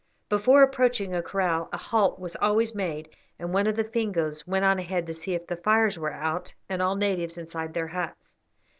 Before approaching a kraal a halt was always made, and one of the Fingoes went on ahead to see if the fires were out and all natives inside their huts.